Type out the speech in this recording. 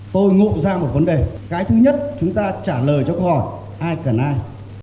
tôi ngộ ra một vấn đề cái thứ nhất chúng ta trả lời cho họ ai cần ai